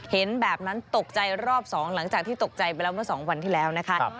เห็นแบบนั้นตกใจรอบ๒หลังจากที่ตกใจไปแล้วเมื่อ๒วันที่แล้วนะคะ